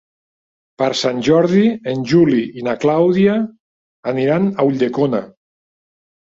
Per Sant Jordi en Juli i na Clàudia aniran a Ulldecona.